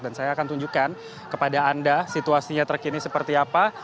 dan saya akan tunjukkan kepada anda situasinya terkini seperti apa